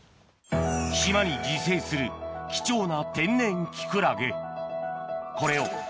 島に自生する貴重な天然キクラゲ